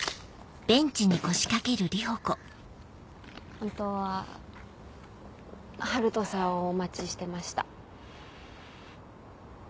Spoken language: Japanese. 本当は春斗さんをお待ちしてました。